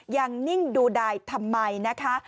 ยังนิ่งดูได้ทำไมนะคะ